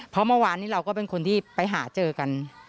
เพราะเมื่อวานนี้เราก็เป็นคนที่ไปหาเจอกัน